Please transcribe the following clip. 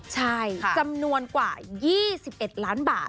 ใช่จำนวนกว่า๒๑ล้านบาท